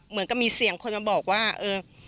เหมือนกับมีเสียงคนมาบอกว่าเออ